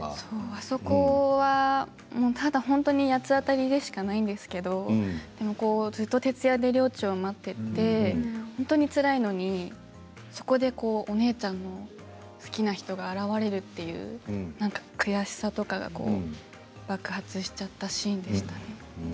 あそこは本当にただ八つ当たりでしかないんですけど、徹夜でりょーちんを待っていて本当につらいのに、そこでお姉ちゃんの好きな人が現れるという悔しさとかが爆発しちゃったシーンでしたね。